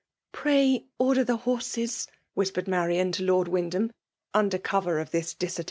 Pray order the homes/' whispered Marian to Lord Wyndham, under cover of this disaer*.